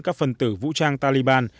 các phần tử vũ trang taliban